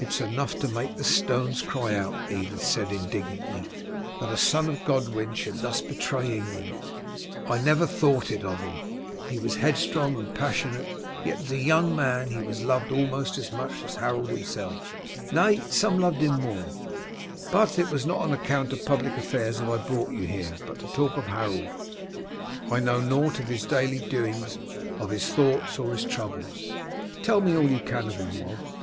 "It is enough to make the stones cry out," Edith said indignantly, "that a son of Godwin should thus betray England. I never thought it of him. He was headstrong and passionate; yet as a young man he was loved almost as much as Harold himself, nay, some loved him more. But it was not on account of public affairs that I brought you here, but to talk of Harold. I know nought of his daily doings, of his thoughts, or his troubles. Tell me all you can of him, Wulf."